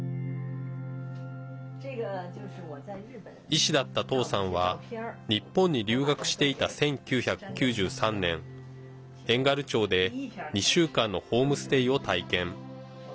医師だったトウさんは日本に留学していた１９９３年遠軽町で２週間のホームステイを体験。